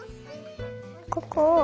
ここを。